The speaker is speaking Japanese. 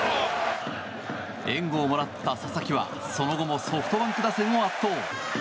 援護をもらった佐々木はその後もソフトバンク打線を圧倒。